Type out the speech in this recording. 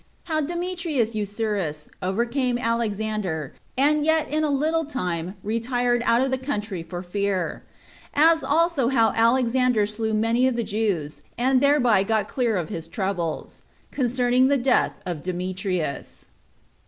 How Demetrius Eucerus Overcame Alexander And Yet In A Little Time Retired Out Of The Country For Fear; As Also How Alexander Slew Many Of The Jews And Thereby Got Clear Of His Troubles. Concerning The Death Of Demetrius.